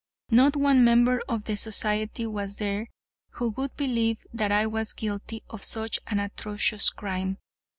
Not one member of the society was there who would believe that I was guilty of such an atrocious crime.